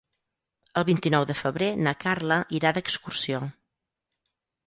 El vint-i-nou de febrer na Carla irà d'excursió.